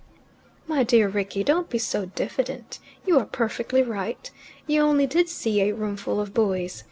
"My dear Rickie, don't be so diffident. You are perfectly right. You only did see a roomful of boys.